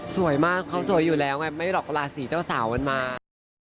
สวยมากเขาสวยอยู่แล้วไงไม่หรอกราศีเจ้าสาวมันมา